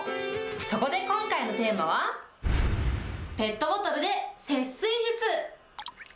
そこで今回のテーマは、ペットボトルで節水術。